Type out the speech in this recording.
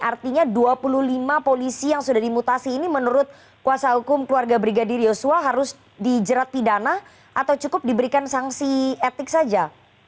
artinya dua puluh lima polisi yang sudah dimutasi ini menurut kuasa hukum keluarga brigadir yosua harus dijerat pidana atau cukup diberikan sanksi etik saja